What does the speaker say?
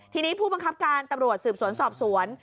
ทีนี้ผู้บังคับการตำรวจสืบสวนสอบสวน